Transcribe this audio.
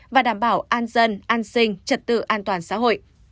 và đảm bảo an dân an sinh trật tự an toàn xã hội